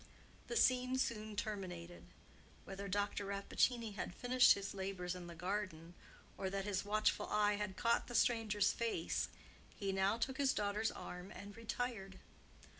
The scene soon terminated. Whether Dr. Rappaccini had finished his labors in the garden, or that his watchful eye had caught the stranger's face, he now took his daughter's arm and retired.